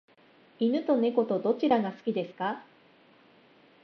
犬と猫とどちらが好きですか？